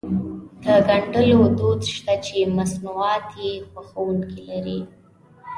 د ګنډلو دود شته چې مصنوعات يې خوښوونکي لري.